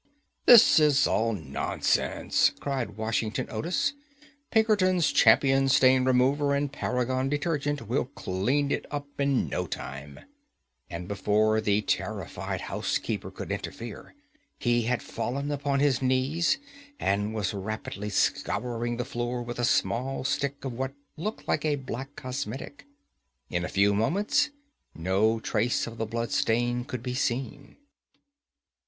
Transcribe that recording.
"That is all nonsense," cried Washington Otis; "Pinkerton's Champion Stain Remover and Paragon Detergent will clean it up in no time," and before the terrified housekeeper could interfere, he had fallen upon his knees, and was rapidly scouring the floor with a small stick of what looked like a black cosmetic. In a few moments no trace of the blood stain could be seen.